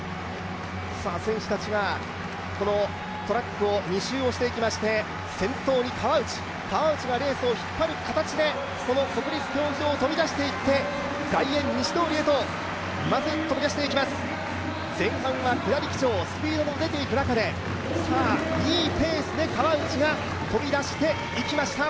選手たちが、このトラックを２周していきまして、先頭に川内、川内がレースを引っ張る形でこの国立競技場を飛び出していって、外苑西通りへとまず飛び出していきます、前半は下り基調、スピードも出ていく中で、いいペースで川内が飛び出していきました。